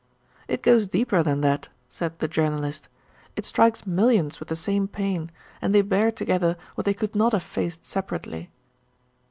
"It goes deeper than that," said the Journalist. "It strikes millions with the same pain, and they bear together what they could not have faced separately."